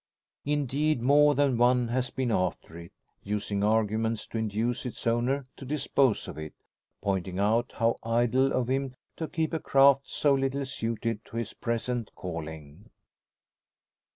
Indeed, more than one has been after it, using arguments to induce its owner to dispose of it pointing out how idle of him to keep a craft so little suited to his present calling!